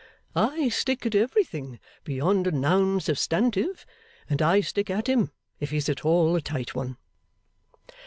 I stick at everything beyond a noun substantive and I stick at him, if he's at all a tight one.